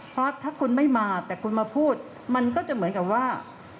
เพราะถ้าคุณไม่มาแต่คุณมาพูดมันก็จะเหมือนกับว่า